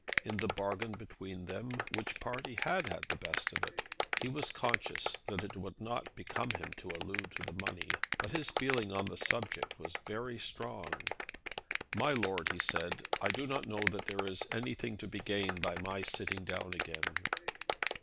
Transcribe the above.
In the bargain between them which party had had the best of it? He was conscious that it would not become him to allude to the money, but his feeling on the subject was very strong. "My lord," he said, "I do not know that there is anything to be gained by my sitting down again."